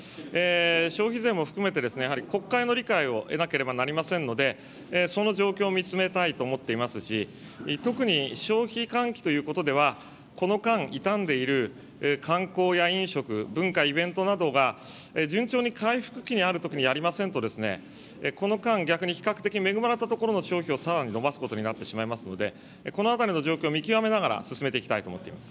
消費税も含めてやはり国会の理解を得なければなりませんので、その状況を見つめたいと思っていますし、特に消費喚起ということでは、この間、傷んでいる観光や飲食、文化、イベントなどが順調に回復期にあるときにやりませんと、この間、逆に比較的恵まれたところの消費をさらに伸ばすことになってしまいますので、このあたりの状況を見極めながら、進めていきたいと思っています。